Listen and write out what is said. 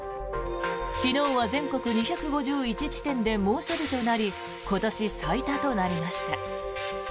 昨日は全国２５１地点で猛暑日となり今年最多となりました。